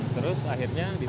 terus akhirnya diterima